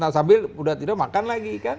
nah sambil udah tidur makan lagi kan